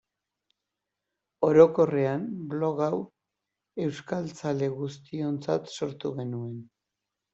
Orokorrean, blog hau euskaltzale guztiontzat sortu genuen.